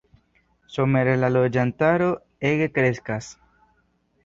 Somere la loĝantaro ege kreskas.